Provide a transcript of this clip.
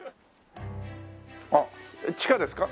あっ地下ですか？